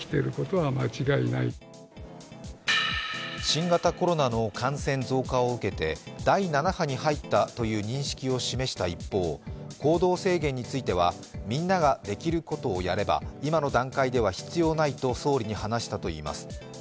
新型コロナの感染増加を受けて第７波に入ったという認識を示した一方行動制限については、みんなができることをやれば今の段階では必要ないと総理に話したといいます。